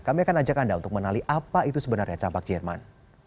kami akan ajak anda untuk menali apa itu sebenarnya campak jerman